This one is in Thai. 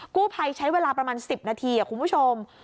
กู้ภัยใช้เวลาประมาณ๑๐นาทีคุณผู้ชม